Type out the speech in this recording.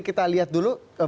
kita lihat dulu